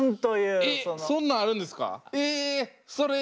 えっそんなんあるんですか？